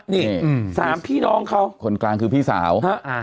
นี่สามพี่น้องเขาคนกลางคือพี่สาว